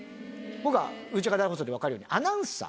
僕はウーチャカ大放送で分かるように、アナウンサー。